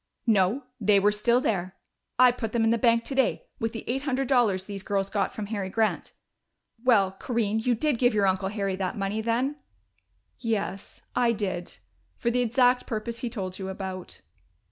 "No, they were still there. I put them in the bank today, with the eight hundred dollars these girls got from Harry Grant.... Well, Corinne, you did give your uncle Harry that money then?" "Yes, I did. For the exact purpose he told you about."